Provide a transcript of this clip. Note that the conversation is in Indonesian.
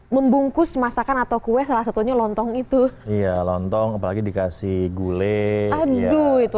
membungkus masakan atau kue salah satunya lontong itu iya lontong apalagi dikasih gulai aduh itu